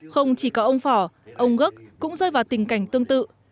không chỉ có ông phỏ ông gất cũng rơi vào tình cảnh tương tự